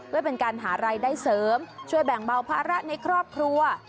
เพื่อเป็นการหารายได้เสริมช่วยแบ่งเบาภาระในครอบครัว